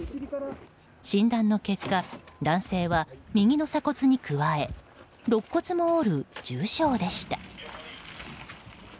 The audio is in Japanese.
診断の結果男性は右の鎖骨に加え肋骨も折る重傷でした。